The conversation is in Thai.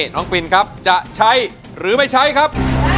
น้องปินครับจะใช้หรือไม่ใช้ครับ